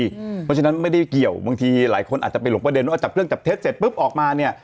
เพราะฉะนั้นไม่ได้เกี่ยวบางทีหลายคนอาจจะไปหลงประเด็นว่าจับเครื่องจับเท็จเสร็จปุ๊บออกมาเนี่ย